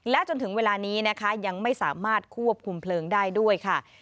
และจนถึงเวลานี้นะคะยังไม่สามารถควบคุมเพลิงได้ด้วยค่ะ